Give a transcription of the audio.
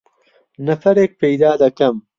نەفەرێک پەیدا دەکەم.